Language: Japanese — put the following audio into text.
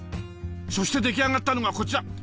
そして出来上がったのがこちら。